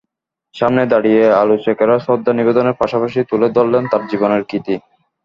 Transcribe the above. সামনে দাঁড়িয়ে আলোচকেরা শ্রদ্ধা নিবেদনের পাশাপাশি তুলে ধরলেন তাঁর জীবনের কৃতি।